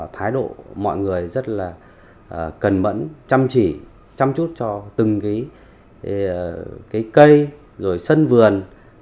thái độ mọi người rất là cẩn mẫn chăm chỉ chăm chút cho từng cây sân vườn